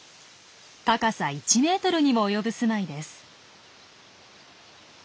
高さ１ｍにも及ぶ住まいです。